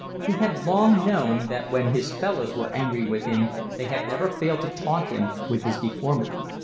He had long known that when his fellows were angry with him they never failed to taunt him with his deformity.